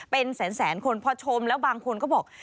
เป็นแสนคนพอชมแล้วบางคนก็บอก